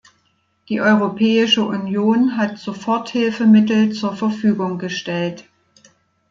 Die Europäische Union hat Soforthilfemittel zur Verfügung gestellt.